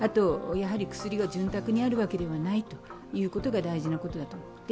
薬が潤沢にあるわけではないということが大事なことだと。